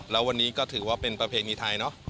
แล้ววันนี้ก็ถือว่าเป็นประเพณีไทยเนอะ